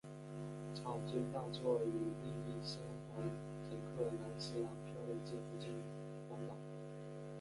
草间大作与另一生还乘客岚十郎漂流至附近荒岛。